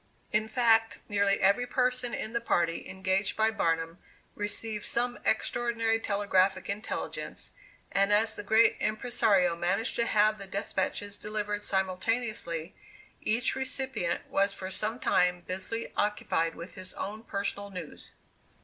In fact, nearly every person in the party engaged by Barnum received some extraordinary telegraphic intelligence, and as the great impressario managed to have the despatches delivered simultaneously, each recipient was for some time busily occupied with his own personal news.